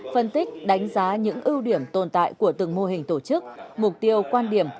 phân tích đánh giá những ưu điểm tồn tại của từng mô hình tổ chức mục tiêu quan điểm